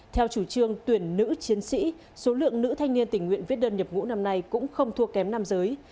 theo chủ trương tuyển nữ chiến sĩ số lượng nữ thanh niên tình nguyện viết đơn nhập ngũ năm nay cũng không thua kém nam giới